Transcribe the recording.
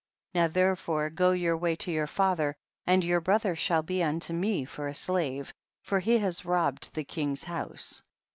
14. Now therefore go your way to your father, and your brother shall be unto me for a slave, for he has robbed the king's house.